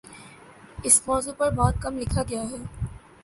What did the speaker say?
اس موضوع پر بہت کم لکھا گیا ہے